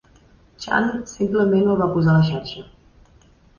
Chan simplement el va posar a la xarxa.